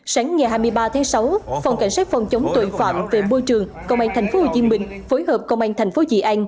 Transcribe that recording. sáng ngày hai mươi ba tháng sáu phòng cảnh sát phòng chống tội phạm về môi trường công an tp hcm phối hợp công an tp di an